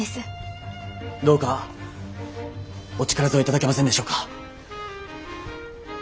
どうかお力添えいただけませんでしょうか。